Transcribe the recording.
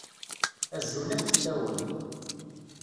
Azul akk fell-awen.